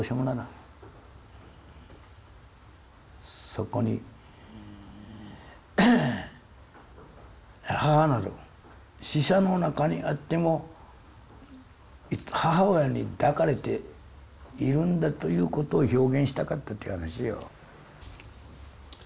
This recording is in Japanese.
そこに母なる死者の中にあっても母親に抱かれているんだということを表現したかったっていう話よ。